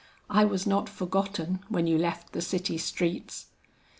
"I was not forgotten when you left the city streets?"